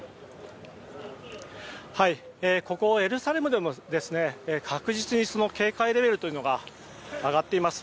ここ、エルサレムでも確実に警戒レベルが上がっています。